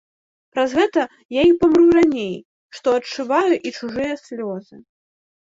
Праз гэта я і памру раней, што адчуваю і чужыя слёзы.